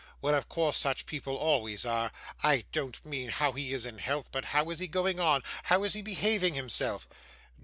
Well, of course; such people always are. I don't mean how is he in health, but how is he going on: how is he behaving himself?